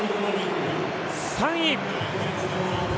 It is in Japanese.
３位！